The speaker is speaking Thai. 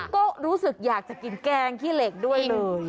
ก็รู้สึกอยากจะกินแกงขี้เหล็กด้วยเลย